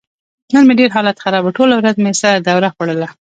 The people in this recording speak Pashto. نن مې ډېر حالت خراب و. ټوله ورځ مې سره دوره خوړله.